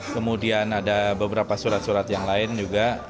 kemudian ada beberapa surat surat yang lain juga